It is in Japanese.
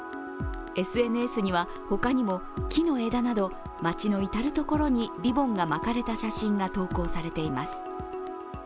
ＳＮＳには他にも木の枝など街の至る所にリボンが巻かれた写真が投稿されています。